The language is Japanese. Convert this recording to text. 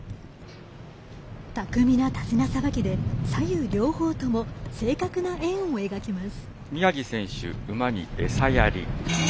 巧みな手綱さばきで左右両方とも正確な円を描きます。